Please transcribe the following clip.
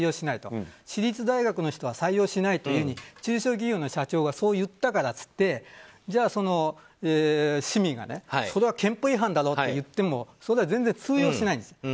私立大学の人は採用しないというふうに中小企業の人がそう言ったからといってじゃあ、市民がそれは憲法違反だろうと言ってもそれは全然、通用しないんです。